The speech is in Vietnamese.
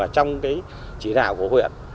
trong chỉ đạo của huyện